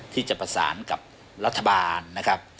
ที่จะประสานกับรัฐบาลนะครับ